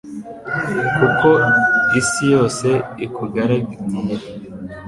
kuko isi yose ikugaragiye